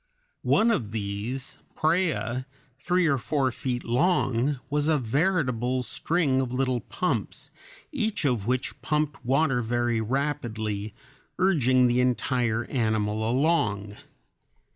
One of these, Praya, three or four feet long, was a veritable string of little pumps, each of which pumped water very rapidly, urging the entire animal along.